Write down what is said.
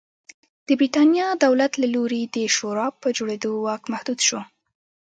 د برېټانیا دولت له لوري د شورا په جوړېدو واک محدود شو.